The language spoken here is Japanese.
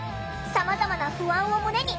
さまざまな不安を胸に入店。